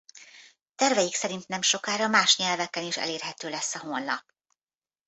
Terveik szerint nemsokára más nyelveken is elérhető lesz a honlap.